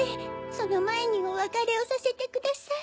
そのまえにおわかれをさせてください。